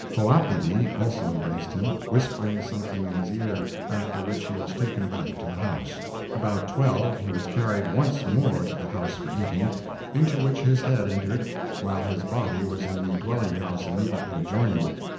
Hoapili also embraced him, whispering something in his ear, after which he was taken back to the house. About twelve he was carried once more to the house for eating, into which his head entered, while his body was in the dwelling house immediately adjoining.